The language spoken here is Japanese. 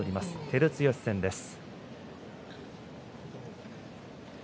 照強戦です。